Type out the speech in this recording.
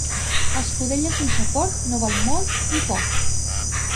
Escudella sense porc no val molt ni poc.